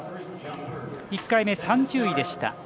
１回目、３０位でした。